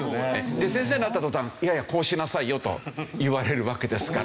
で先生になった途端「いやいやこうしなさいよ」と言われるわけですから。